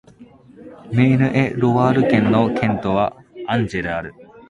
メーヌ＝エ＝ロワール県の県都はアンジェである